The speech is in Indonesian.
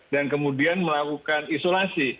dan kemudian melakukan isolasi